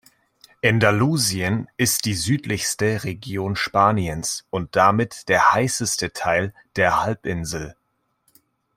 Andalusien ist die südlichste Region Spaniens und damit der heißeste Teil der Halbinsel.